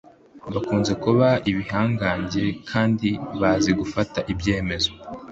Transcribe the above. bakunze kuba ibihangange kandi bazi gufata ibyemezo